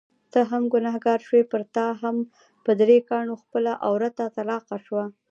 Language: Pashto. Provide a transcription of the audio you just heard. ته هم ګنهګار شوې، پرتا هم په درې کاڼو خپله عورته طلاقه شوه.